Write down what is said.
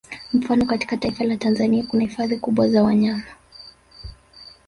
Mfano katika taifa la Tanzania kuna hifadhi kubwa za wanyama